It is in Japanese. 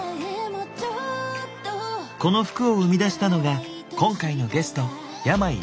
この服を生み出したのが今回のゲスト